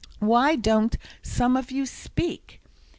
"Why don't some of you speak?"